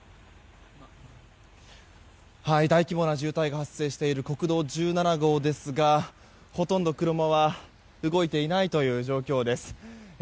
大規模な渋滞が発生している国道１７号ですがほとんど車は動いていない状況です。